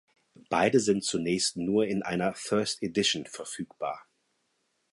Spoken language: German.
Beide sind zunächst nur in einer "First Edition" verfügbar.